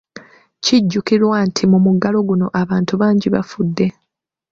Kijjukirwa nti mu muggalo guno, abantu bangi bafudde.